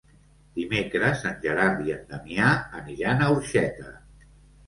Dimecres en Gerard i en Damià aniran a Orxeta.